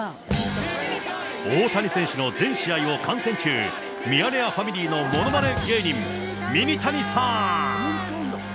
大谷選手の全試合を観戦中、ミヤネ屋ファミリーのものまね芸人、ミニタニさん。